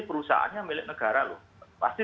perusahaannya milik negara loh pasti